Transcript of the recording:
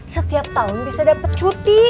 setiap tahun bisa dapat cuti